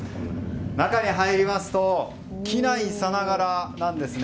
中に入りますと機内さながらなんですね。